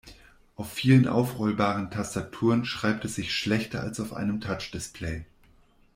Auf vielen aufrollbaren Tastaturen schreibt es sich schlechter als auf einem Touchdisplay.